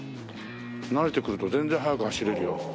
慣れてくると全然速く走れるよ。